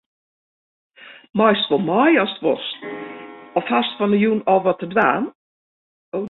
Meist wol mei ast wolst of hast fan 'e jûn al wat te dwaan?